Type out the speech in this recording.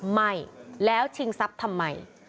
ไม่แล้วชิงทรัพย์ทำไม